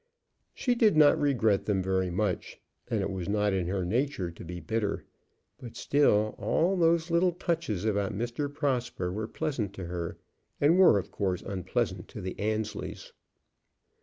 She did not regret them very much, and it was not in her nature to be bitter; but still all those little touches about Mr. Prosper were pleasant to her, and were, of course, unpleasant to the Annesleys.